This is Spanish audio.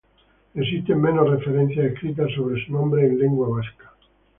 Existen menos referencias escritas sobre su nombre en lengua vasca.